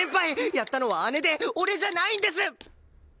やったのは姉で俺じゃないんです！